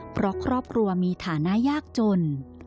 เพราะครอบครัวมีฐานะยากจน